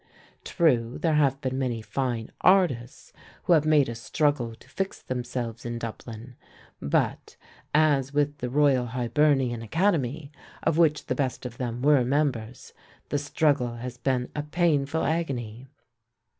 True, there have been many fine artists, who have made a struggle to fix themselves in Dublin, but, as with the Royal Hibernian Academy, of which the best of them were members, the struggle has been a painful agony.